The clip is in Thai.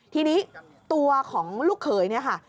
ทีนี้ตัวของลูกเขยเนี่ยค่ะ